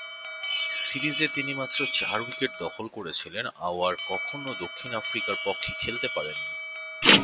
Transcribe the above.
সিরিজে তিনি মাত্র চার উইকেট দখল করেছিলেন ও আর কখনো দক্ষিণ আফ্রিকার পক্ষে খেলতে পারেননি।